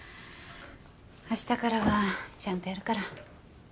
あしたからはちゃんとやるから。